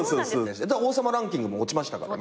『王様ランキング』も落ちましたからね。